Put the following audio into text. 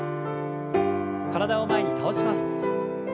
体を前に倒します。